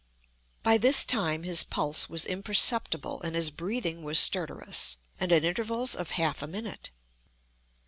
By this time his pulse was imperceptible and his breathing was stertorous, and at intervals of half a minute.